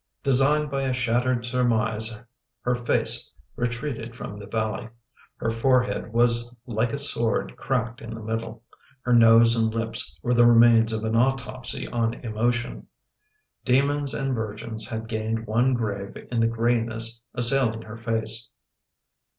Designed by a shattered surmise her face retreated from the valley. Her forehead was Hke a sword cracked in the middle; her nose and lips were the remains of an autopsy on emotion. Demons and virgins had gained one grave in the grayness assail ing her face.